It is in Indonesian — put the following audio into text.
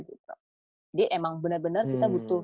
jadi emang benar benar kita butuh